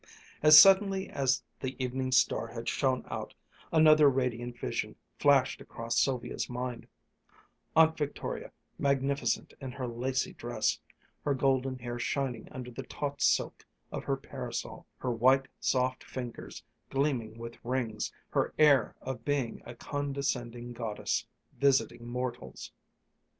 As suddenly as the evening star had shone out, another radiant vision flashed across Sylvia's mind, Aunt Victoria, magnificent in her lacy dress, her golden hair shining under the taut silk of her parasol, her white, soft fingers gleaming with rings, her air of being a condescending goddess, visiting mortals